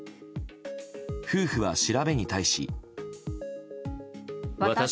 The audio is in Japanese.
夫婦は調べに対し。